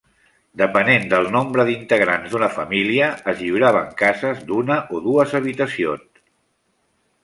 Depenent del nombre d'integrants d'una família, es lliuraven cases d'una o dues habitacions.